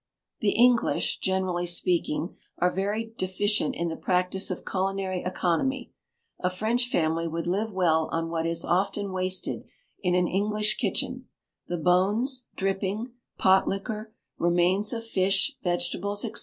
The English, generally speaking, are very deficient in the practice of culinary economy; a French family would live well on what is often wasted in an English kitchen: the bones, dripping, pot liquor, remains of fish, vegetables, &c.